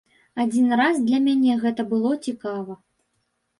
Адзін раз для мяне гэта было цікава.